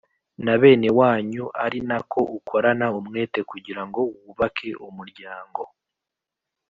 na bene wanyu ari na ko ukorana umwete kugira ngo wubake umuryango